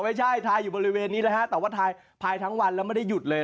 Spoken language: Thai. ไม่ใช่ทายอยู่บริเวณนี้นะฮะแต่ว่าทายทั้งวันแล้วไม่ได้หยุดเลย